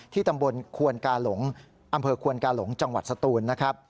ที่ตำบลอำเภอควรกาหลงจังหวัดศตูน